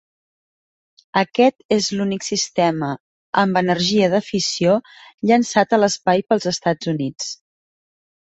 Aquest és l'únic sistema amb energia de fissió llançat a l'espai pels Estats Units.